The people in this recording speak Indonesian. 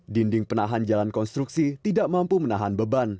dinding penahan jalan konstruksi tidak mampu menahan beban